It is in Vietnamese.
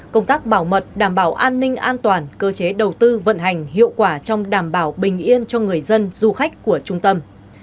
công tác bảo mật đảm bảo an ninh an toàn cơ chế đầu tư vận hành hiệu quả trong đảm bảo bình yên cho người dân du khách của trung tâm